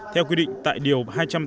theo quy định tại điều hai trăm tám mươi